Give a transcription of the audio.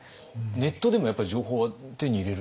ネットでもやっぱり情報は手に入れるんですか？